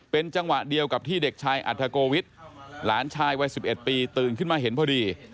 เป็นจังหวะเดียวกับที่เด็กชายอัธโกวิทย์หลานชายวัย๑๑ปีตื่นขึ้นมาเห็นพอดี